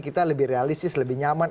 kita lebih realistis lebih nyaman